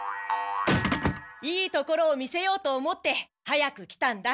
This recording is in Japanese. いいところを見せようと思って早く来たんだ。